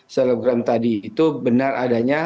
selebgram tadi itu benar adanya